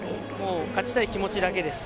勝ちたい気持ちだけです。